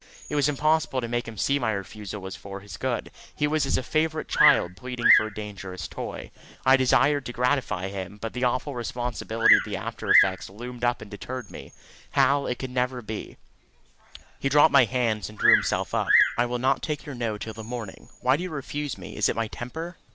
It was impossible to make him see my refusal was for his good. He was as a favourite child pleading for a dangerous toy. I desired to gratify him, but the awful responsibility of the after effects loomed up and deterred me. "Hal, it can never be." He dropped my hands and drew himself up. "I will not take your No till the morning. Why do you refuse me? Is it my temper?